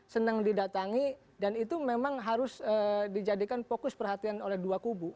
senang didatangi dan itu memang harus dijadikan fokus perhatian oleh dua kubu